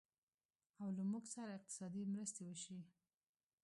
او له موږ سره اقتصادي مرستې وشي